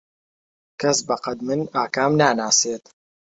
کەس بەقەد من ئاکام ناناسێت.